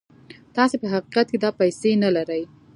تاسې په حقيقت کې دا پيسې نه لرئ.